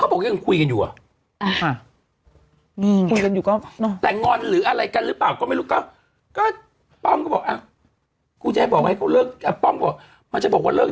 ก็บอกว่าจะถามคนรอบตัวเขาบอกเบลล่ามันไม่เห็นจะเศร้าเลย